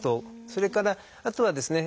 それからあとはですね